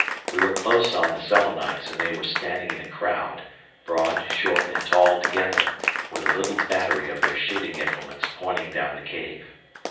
We were close on the Selenites, and they were standing in a crowd, broad, short, and tall together, with a little battery of their shooting implements pointing down the cave.